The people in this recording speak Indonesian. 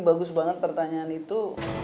bagus banget pertanyaan itu